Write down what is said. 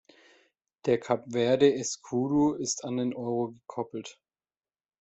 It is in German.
Der Kap-Verde-Escudo ist an den Euro gekoppelt.